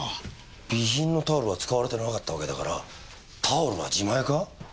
備品のタオルは使われてなかったわけだからタオルは自前か？